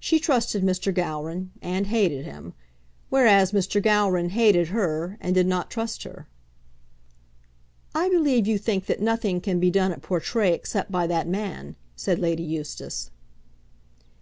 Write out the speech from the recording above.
She trusted Mr. Gowran, and hated him, whereas Mr. Gowran hated her, and did not trust her. "I believe you think that nothing can be done at Portray except by that man," said Lady Eustace.